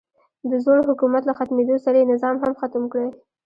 د زوړ حکومت له ختمېدو سره یې نظام هم ختم کړی.